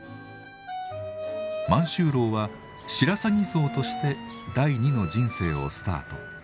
満州楼は白さぎ荘として第２の人生をスタート。